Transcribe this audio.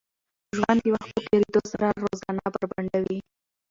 ژوند د وخت په تېرېدو سره رازونه بربنډوي.